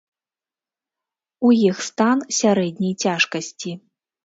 У іх стан сярэдняй цяжкасці.